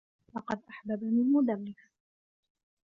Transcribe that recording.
لقد أحببني المدرّس.